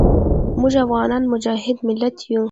موږ افغانان مجاهد ملت یو.